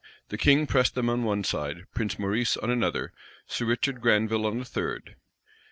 The king pressed them on one side; Prince Maurice on another; Sir Richard Granville on a third.